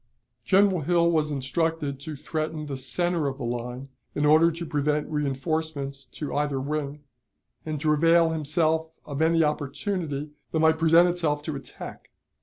General Hill was instructed to threaten the center of the line, in order to prevent reënforcements to either wing, and to avail himself of any opportunity that might present itself to attack.